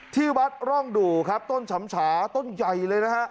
ที่วัดร่องดู่ครับต้นฉำฉาต้นใหญ่เลยนะฮะ